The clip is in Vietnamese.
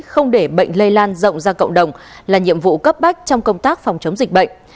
không để bệnh lây lan rộng ra cộng đồng là nhiệm vụ cấp bách trong công tác phòng chống dịch bệnh